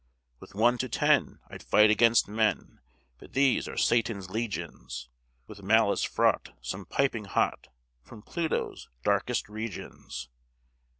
"With one to ten I'd fight 'gainst men, But these are Satan's legions, With malice fraught, some piping hot From Pluto's darkest regions!